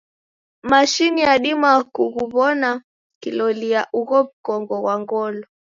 Mashini yadima kughuw'ona kilolia ugho w'ukongo ghwa ngolo.